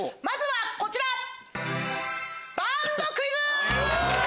まずはこちら。